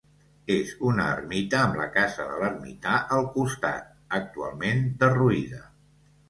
És una ermita amb la casa de l'ermità al costat, actualment derruïda.